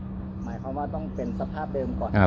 หมายความว่าต้องเป็นสภาพเดิมก่อน